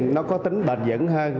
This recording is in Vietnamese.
nó có tính bền dẫn hơn